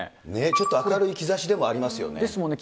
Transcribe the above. ちょっと明るい兆しでもありですもんね。